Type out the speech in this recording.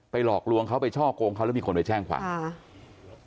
หลอกลวงเขาไปช่อกงเขาแล้วมีคนไปแจ้งความค่ะ